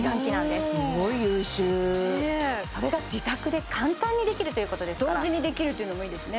すごい優秀ねえそれが自宅で簡単にできるということですから同時にできるっていうのもいいですね